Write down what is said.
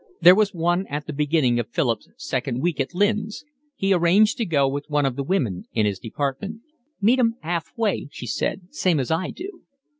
There was one at the beginning of Philip's second week at Lynn's. He arranged to go with one of the women in his department. "Meet 'em 'alf way," she said, "same as I do."